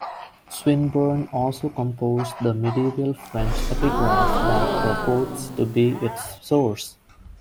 Swinburne also composed the medieval French epigraph that purports to be its source.